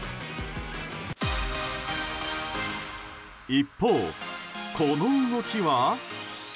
一方、この動きは。